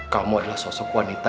kamu adalah sosok wanita